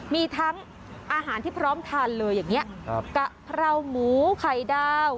มีทั้งอาหารที่พร้อมทานเลยอย่างนี้กะเพราหมูไข่ดาว